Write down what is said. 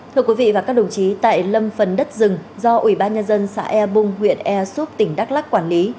thưa quý vị và các đồng chí tại lâm phần đất rừng do ủy ban nhà dân xã e bung huyện e xúc tỉnh đắk lắc quản lý